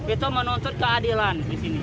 itu menuntut keadilan